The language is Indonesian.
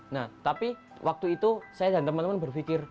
nah tapi waktu itu saya dan teman teman berpikir